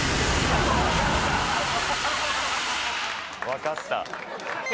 分かった。